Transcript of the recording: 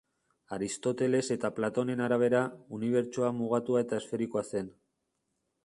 Aristoteles eta Platonen arabera, Unibertsoa mugatua eta esferikoa zen.